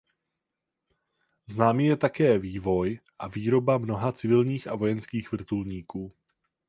Známý je také vývoj a výroba mnoha civilních a vojenských vrtulníků.